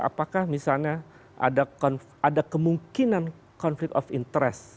apakah misalnya ada kemungkinan konflik of interest